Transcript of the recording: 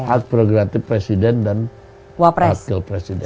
hak prerogatif presiden dan wakil presiden